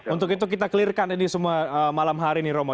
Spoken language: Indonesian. untuk itu kita clearkan ini semua malam hari nih romo